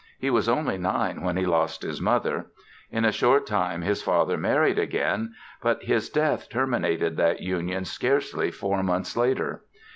He was only nine when he lost his mother. In a short time his father married again but his death terminated that union scarcely four months later.